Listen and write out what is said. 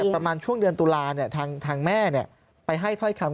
ประมาณช่วงเดือนตุลาทางแม่ไปให้ถ้อยคำ